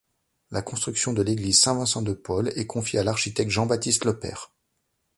La construction de l'église Saint-Vincent-de-Paul est confiée à l'architecte Jean-Baptiste Lepère.